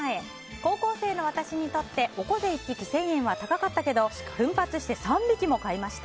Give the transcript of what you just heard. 高校生の私にとってオコゼ１匹１０００円は高かったけど奮発して３匹も買いました。